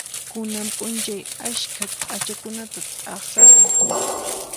Kunan p'unchay askha p'achakunata t'aqsasun.